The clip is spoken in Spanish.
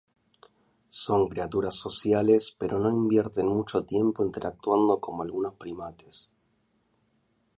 Son criaturas sociales pero no invierten mucho tiempo interactuando como algunos primates.